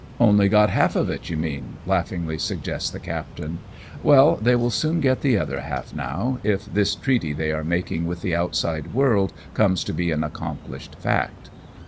" Only got half of it, you mean," laughingly suggests the captain ;" well, they will soon get the other half now, if this treaty they are making with the outside world comes to be an accomplished fact."